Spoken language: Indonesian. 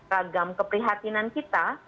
ragam keprihatinan kita